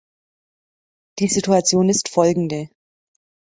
Die Situation ist Folgende.